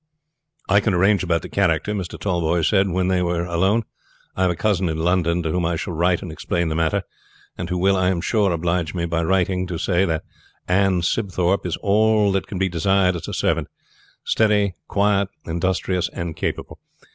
"I can arrange about the character," Mr. Tallboys said when they were alone. "I have a cousin in London, to whom I shall write and explain the matter, and who will, I am sure, oblige me by writing to say that Ann Sibthorpe is all that can be desired as a servant: steady, quiet, industrious and capable.